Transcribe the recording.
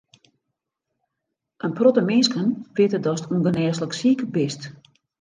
In protte minsken witte datst ûngenêslik siik bist.